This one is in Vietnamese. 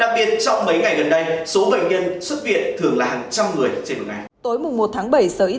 đặc biệt trong mấy ngày gần đây số bệnh nhân xuất viện thường là hàng trăm người trên đường này